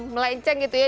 melenceng gitu ya